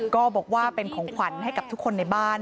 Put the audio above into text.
ก็บอกว่าเป็นของขวัญให้กับทุกคนในบ้าน